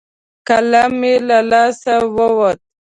قلم مې له لاسه ووت.